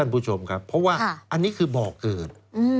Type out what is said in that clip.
เพราะว่าอันนี้คือบ่อเกิด